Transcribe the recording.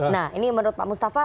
nah ini menurut pak mustafa